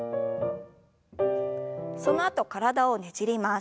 そのあと体をねじります。